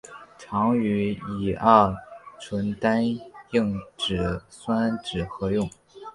常与乙二醇单硬脂酸酯合用。